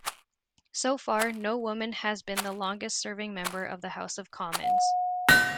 So far, no woman has been the longest-serving member of the House of Commons.